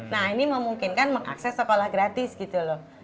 nah ini memungkinkan mengakses sekolah gratis gitu loh